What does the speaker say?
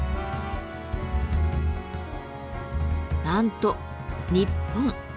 なんと日本。